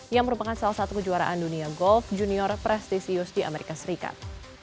yang merupakan salah satu kejuaraan dunia golf junior prestisius di amerika serikat